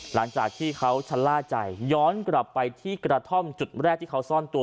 หลังจากที่เขาชะล่าใจย้อนกลับไปที่กระท่อมจุดแรกที่เขาซ่อนตัว